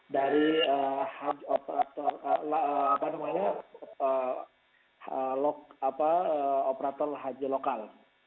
dari operator haji lokal